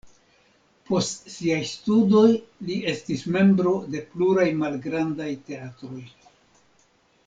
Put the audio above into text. Post siaj studoj li estis membro de pluraj malgrandaj teatroj.